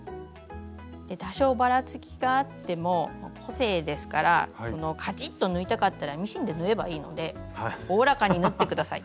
多少バラつきがあっても個性ですからカチッと縫いたかったらミシンで縫えばいいのでおおらかになって下さい。